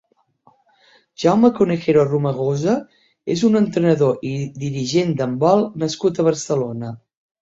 Jaume Conejero Romagosa és un entrenador i dirigent d'handbol nascut a Barcelona.